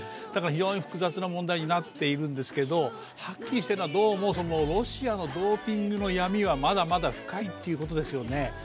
だから非常に複雑な問題になっているんだけど、はっきりしているのはロシアのドーピングの闇はまだまだ深いということですよね。